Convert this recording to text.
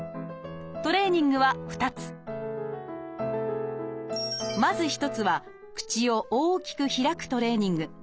トレーニングは２つまず一つは口を大きく開くトレーニング。